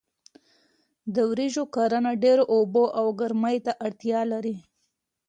د وریژو کرنه ډیرو اوبو او ګرمۍ ته اړتیا لري.